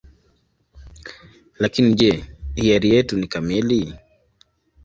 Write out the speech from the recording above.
Lakini je, hiari yetu ni kamili?